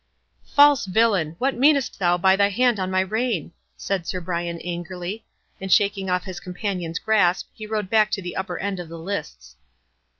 "False villain! what meanest thou by thy hand on my rein?" said Sir Brian, angrily. And shaking off his companion's grasp, he rode back to the upper end of the lists.